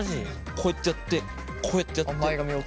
こうやってやってこうやってやってこう。